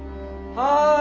・はい。